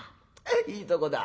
いいとこだ。